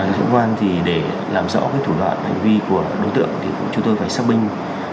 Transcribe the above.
đối tượng công an để làm rõ thủ đoạn hành vi của đối tượng thì chúng tôi phải xác binh